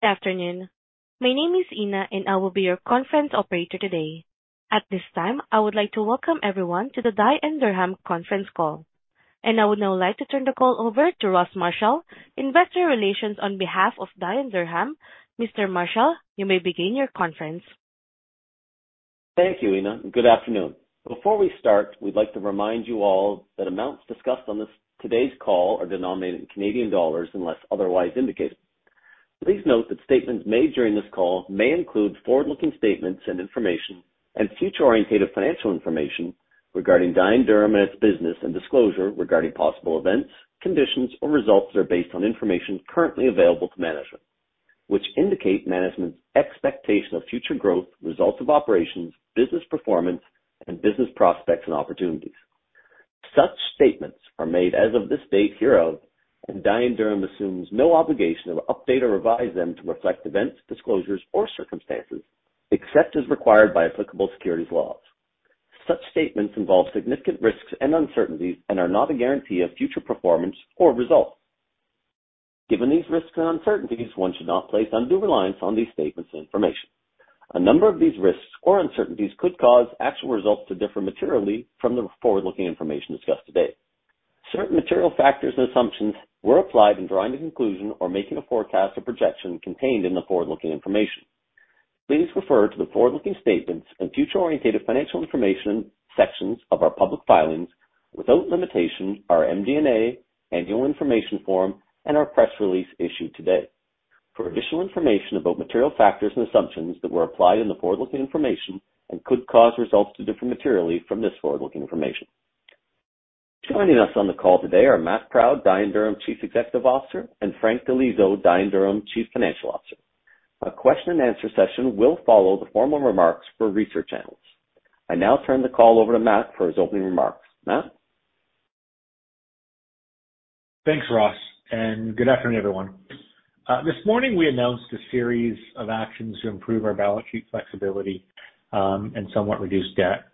Good afternoon. My name is Ina, and I will be your conference operator today. At this time, I would like to welcome everyone to the Dye & Durham conference call. I would now like to turn the call over to Ross Marshall, Investor Relations on behalf of Dye & Durham. Mr. Marshall, you may begin your conference. Thank you, Ina, and good afternoon. Before we start, we'd like to remind you all that amounts discussed on today's call are denominated in Canadian dollars, unless otherwise indicated. Please note that statements made during this call may include forward-looking statements and information and future-oriented financial information regarding Dye & Durham and its business, and disclosure regarding possible events, conditions, or results that are based on information currently available to management, which indicate management's expectation of future growth, results of operations, business performance, and business prospects and opportunities. Such statements are made as of this date hereof, and Dye & Durham assumes no obligation to update or revise them to reflect events, disclosures, or circumstances, except as required by applicable securities laws. Such statements involve significant risks and uncertainties and are not a guarantee of future performance or results. Given these risks and uncertainties, one should not place undue reliance on these statements and information. A number of these risks or uncertainties could cause actual results to differ materially from the forward-looking information discussed today. Certain material factors and assumptions were applied in drawing a conclusion or making a forecast or projection contained in the forward-looking information. Please refer to the forward-looking statements and future-oriented financial information sections of our public filings, without limitation, our MD&A, Annual Information Form, and our press release issued today, for additional information about material factors and assumptions that were applied in the forward-looking information and could cause results to differ materially from this forward-looking information. Joining us on the call today are Matt Proud, Dye & Durham Chief Executive Officer, and Frank DiLiso, Dye & Durham Chief Financial Officer. A question and answer session will follow the formal remarks for research analysts. I now turn the call over to Matt for his opening remarks. Matt? Thanks, Ross, and good afternoon, everyone. This morning we announced a series of actions to improve our balance sheet flexibility, and somewhat reduce debt.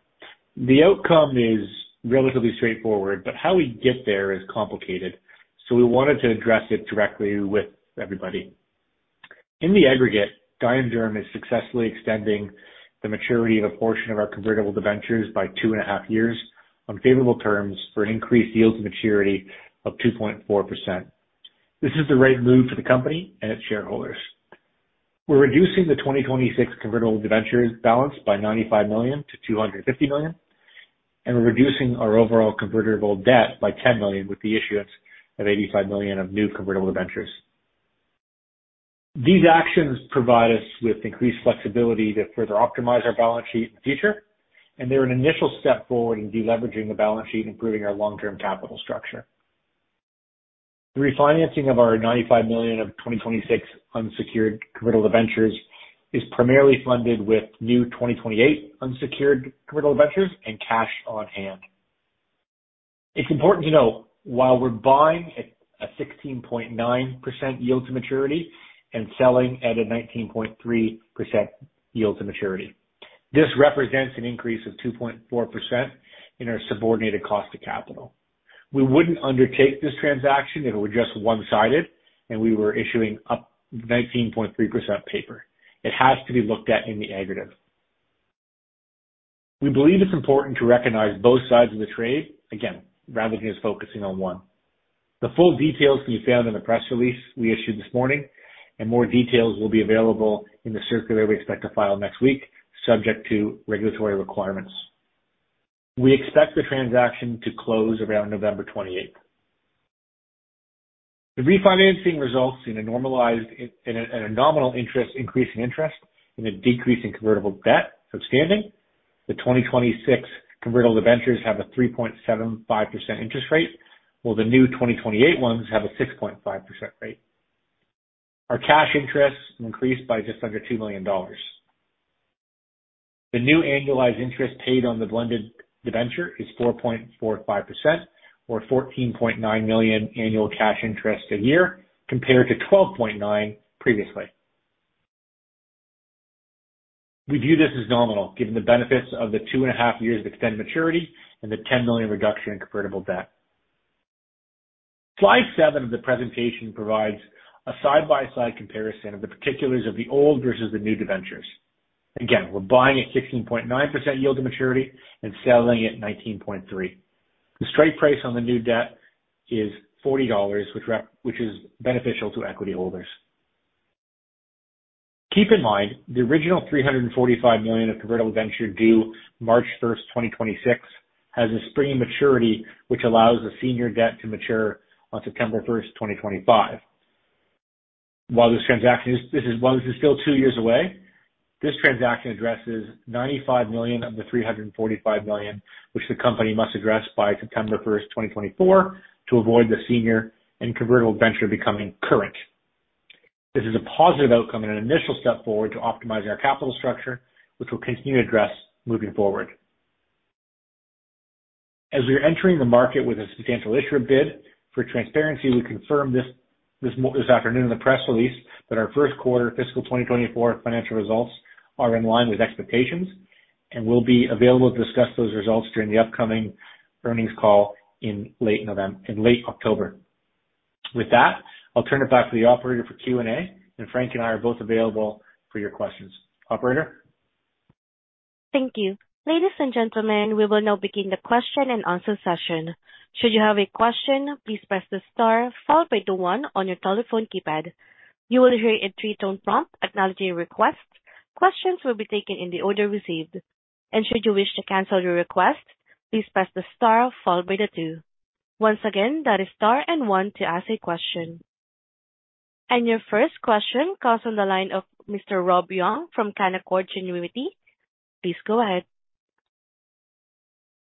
The outcome is relatively straightforward, but how we get there is complicated, so we wanted to address it directly with everybody. In the aggregate, Dye & Durham is successfully extending the maturity of a portion of our convertible debentures by 2.5 years on favorable terms for an increased yield to maturity of 2.4%. This is the right move for the company and its shareholders. We're reducing the 2026 convertible debentures balance by 95 million to 250 million, and we're reducing our overall convertible debt by 10 million, with the issuance of 85 million of new convertible debentures. These actions provide us with increased flexibility to further optimize our balance sheet in the future, and they're an initial step forward in deleveraging the balance sheet, improving our long-term capital structure. The refinancing of our 95 million of 2026 unsecured convertible debentures is primarily funded with new 2028 unsecured convertible debentures and cash on hand. It's important to note, while we're buying at a 16.9% yield to maturity and selling at a 19.3% yield to maturity, this represents an increase of 2.4% in our subordinated cost of capital. We wouldn't undertake this transaction if it were just one-sided and we were issuing up 19.3% paper. It has to be looked at in the aggregate. We believe it's important to recognize both sides of the trade, again, rather than just focusing on one. The full details can be found in the press release we issued this morning, and more details will be available in the circular we expect to file next week, subject to regulatory requirements. We expect the transaction to close around November 28th. The refinancing results in a normalized, nominal interest increase in interest and a decrease in convertible debt outstanding. The 2026 Convertible Debentures have a 3.75% interest rate, while the new 2028 ones have a 6.5% rate. Our cash interest increased by just under 2 million dollars. The new annualized interest paid on the blended debenture is 4.45% or 14.9 million annual cash interest a year, compared to 12.9 million previously. We view this as nominal, given the benefits of the 2.5 years of extended maturity and the 10 million reduction in convertible debt. Slide 7 of the presentation provides a side-by-side comparison of the particulars of the old versus the new debentures. Again, we're buying at 16.9% yield to maturity and selling at 19.3. The straight price on the new debt is 40 dollars, which is beneficial to equity holders. Keep in mind, the original 345 million of convertible debenture due March 1, 2026, has a springing maturity, which allows the senior debt to mature on September 1, 2025. While this transaction is... This is, while this is still two years away, this transaction addresses 95 million of the 345 million, which the company must address by September first, 2024, to avoid the senior and convertible debenture becoming current. This is a positive outcome and an initial step forward to optimizing our capital structure, which we'll continue to address moving forward. As we are entering the market with a substantial issue of bid, for transparency, we confirm this, this afternoon in the press release, that our Q1 fiscal 2024 financial results are in line with expectations, and we'll be available to discuss those results during the upcoming earnings call in late November, in late October. With that, I'll turn it back to the operator for Q&A, and Frank and I are both available for your questions. Operator? Thank you. Ladies and gentlemen, we will now begin the question-and-answer session. Should you have a question, please press the star followed by the one on your telephone keypad. You will hear a three-tone prompt acknowledging your request. Questions will be taken in the order received, and should you wish to cancel your request, please press the star followed by the two. Once again, that is star and one to ask a question. And your first question comes on the line of Mr. Robert Young from Canaccord Genuity. Please go ahead.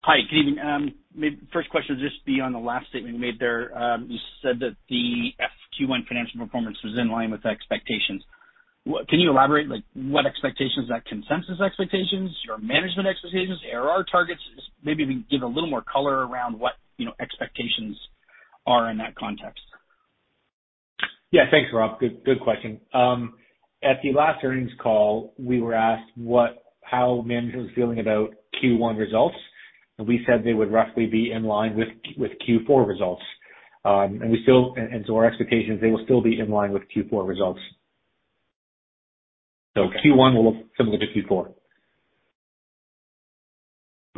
Hi, good evening. Maybe the first question will just be on the last statement you made there. You said that the FQ1 financial performance was in line with the expectations. What can you elaborate, like, what expectations? Is that consensus expectations, your management expectations, RR targets? Just maybe if you can give a little more color around what, you know, expectations are in that context. Yeah, thanks, Rob. Good, good question. At the last earnings call, we were asked how management was feeling about Q1 results, and we said they would roughly be in line with Q4 results. And so our expectations, they will still be in line with Q4 results. So Q1 will look similar to Q4.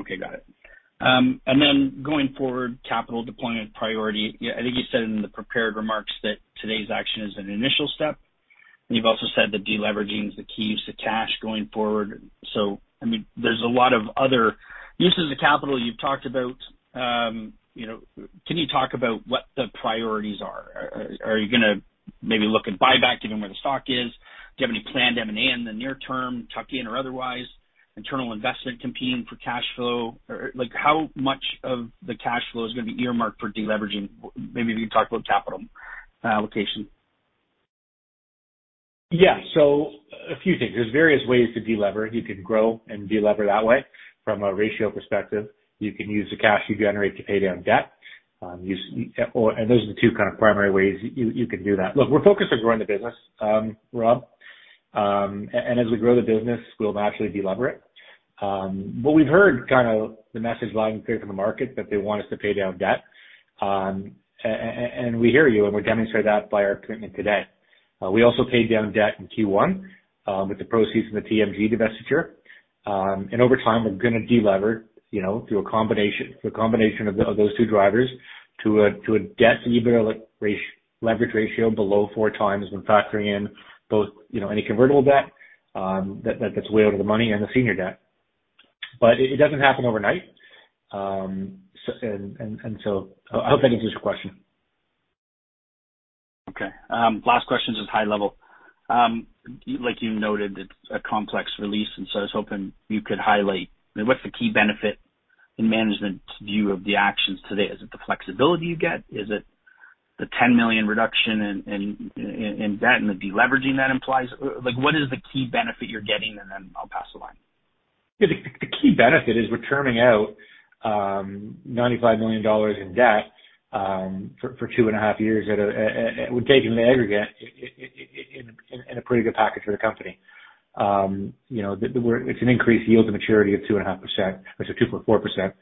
Okay, got it. And then going forward, capital deployment priority. Yeah, I think you said in the prepared remarks that today's action is an initial step, and you've also said that deleveraging is the key to cash going forward. So I mean, there's a lot of other uses of capital you've talked about. You know, can you talk about what the priorities are? Are you gonna maybe look at buyback, given where the stock is? Do you have any planned M&A in the near term, tuck in or otherwise, internal investment competing for cash flow? Or like, how much of the cash flow is gonna be earmarked for deleveraging? Maybe if you could talk about capital allocation. Yeah. So a few things. There's various ways to delever. You can grow and delever that way from a ratio perspective. You can use the cash you generate to pay down debt. And those are the two kind of primary ways you can do that. Look, we're focused on growing the business, Rob. And as we grow the business, we'll naturally delever it. But we've heard kind of the message loud and clear from the market that they want us to pay down debt. And we hear you, and we demonstrate that by our commitment today. We also paid down debt in Q1 with the proceeds from the TMG divestiture. And over time, we're gonna delever, you know, through a combination of those two drivers to a debt EBITDA leverage ratio below four times when factoring in both, you know, any convertible debt that's way out of the money and the senior debt. But it doesn't happen overnight. So I hope that answers your question. Okay. Last question is just high level. Like you noted, it's a complex release, and so I was hoping you could highlight, I mean, what's the key benefit in management's view of the actions today? Is it the flexibility you get? Is it the 10 million reduction in debt and the deleveraging that implies? Like, what is the key benefit you're getting? And then I'll pass the line. Yeah, the key benefit is we're turning out 95 million dollars in debt for 2.5 years. We take it in the aggregate in a pretty good package for the company. You know, it's an increased yield to maturity of 2.5%, actually 2.4%.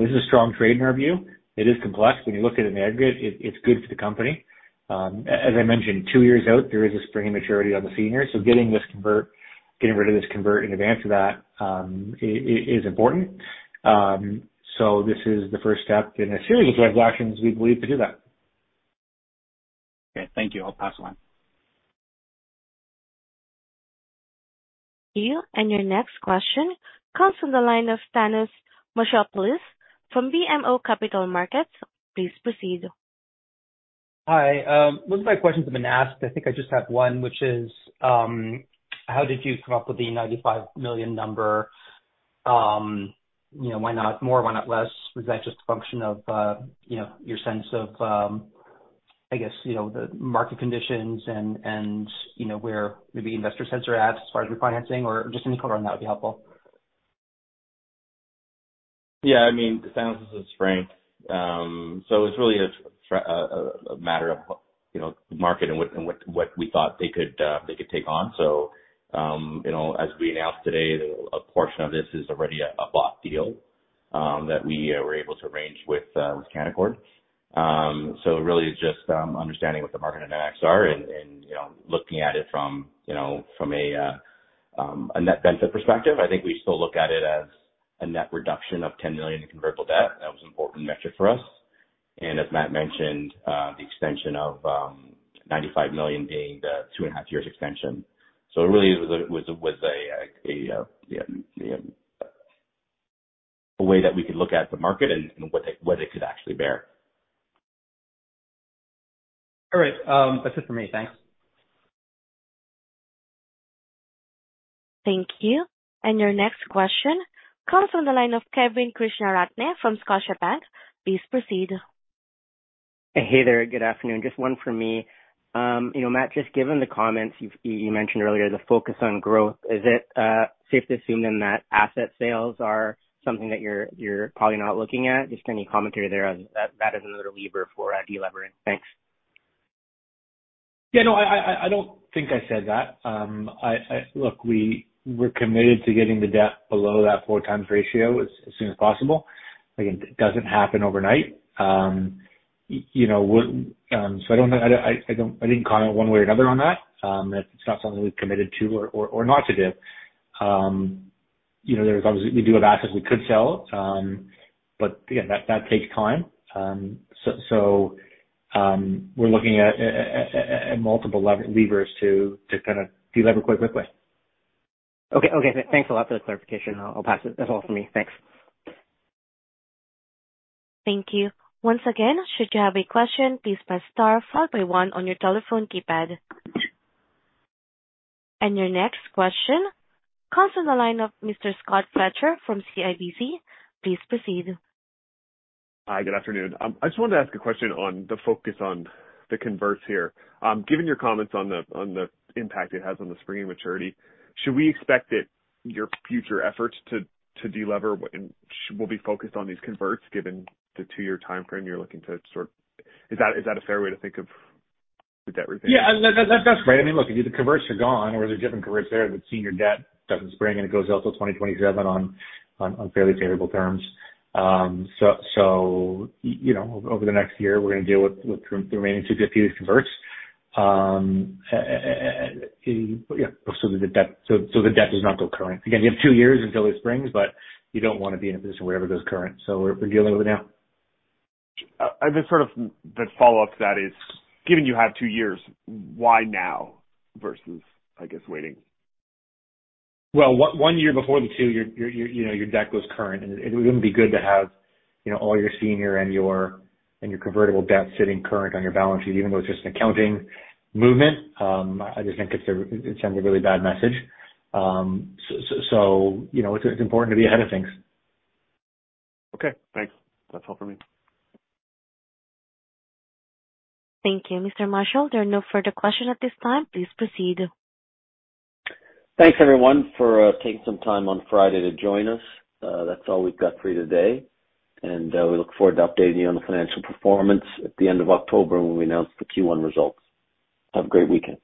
This is a strong trade in our view. It is complex. When you look at it in the aggregate, it's good for the company. As I mentioned, 2 years out, there is a springing maturity on the seniors, so getting rid of this convert in advance of that is important. So this is the first step in a series of actions we believe to do that. Okay. Thank you. I'll pass the line. Thank you, and your next question comes from the line of Thanos Moschopoulos from BMO Capital Markets. Please proceed. Hi. Most of my questions have been asked. I think I just have one, which is, how did you come up with the 95 million number? You know, why not more, why not less? Was that just a function of, you know, the market conditions and, you know, where maybe investor sense are at as far as refinancing? Or just any color on that would be helpful. Yeah, I mean, Thanos, this is Frank. So it's really a matter of, you know, market and what, and what, what we thought they could, they could take on. So, you know, as we announced today, a portion of this is already a bought deal, that we were able to arrange with, with Canaccord. So really it's just, understanding what the market dynamics are and, and, you know, looking at it from, you know, from a, a net benefit perspective. I think we still look at it as a net reduction of 10 million in convertible debt. That was an important metric for us. And as Matt mentioned, the extension of, 95 million being the 2.5 years extension. So it really was a way that we could look at the market and what it could actually bear. All right. That's it for me. Thanks. Thank you. And your next question comes from the line of Kevin Krishnaratne from Scotiabank. Please proceed. Hey there. Good afternoon. Just one for me. You know, Matt, just given the comments you've mentioned earlier, the focus on growth, is it safe to assume then that asset sales are something that you're probably not looking at? Just any commentary there on that, that is another lever for delevering. Thanks. Yeah, no, I don't think I said that. Look, we're committed to getting the debt below that 4x ratio as soon as possible. Again, it doesn't happen overnight. You know, so I don't know, I don't, I didn't comment one way or another on that. That's not something we've committed to or not to do. You know, there's obviously, we do have assets we could sell, but again, that takes time. So, we're looking at multiple levers to kind of delever quite quickly. Okay. Okay. Thanks a lot for the clarification. I'll pass it. That's all for me. Thanks. Thank you. Once again, should you have a question, please press star four by one on your telephone keypad. Your next question comes on the line of Mr. Scott Fletcher from CIBC. Please proceed. Hi, good afternoon. I just wanted to ask a question on the focus on the converts here. Given your comments on the impact it has on the springing maturity, should we expect that your future efforts to delever will be focused on these converts, given the two-year timeframe you're looking to sort... Is that a fair way to think of the debt repayment? Yeah, that's great. I mean, look, either the converts are gone or there are different converts there, the senior debt doesn't spring, and it goes out till 2027 on fairly favorable terms. So you know, over the next year, we're gonna deal with the remaining two diffuse converts. And yeah, so the debt does not go current. Again, you have two years until it springs, but you don't wanna be in a position where it ever goes current, so we're dealing with it now. And then sort of the follow-up to that is, given you have two years, why now versus, I guess, waiting? Well, 1 year before the 2, you know, your debt goes current, and it wouldn't be good to have, you know, all your senior and your convertible debt sitting current on your balance sheet, even though it's just an accounting movement. I just think it sends a really bad message. So, you know, it's important to be ahead of things. Okay, thanks. That's all for me. Thank you, Mr. Marshall. There are no further questions at this time. Please proceed. Thanks, everyone, for taking some time on Friday to join us. That's all we've got for you today, and we look forward to updating you on the financial performance at the end of October when we announce the Q1 results. Have a great weekend.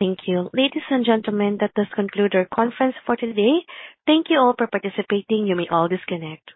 Thank you. Ladies and gentlemen, that does conclude our conference for today. Thank you all for participating. You may all disconnect.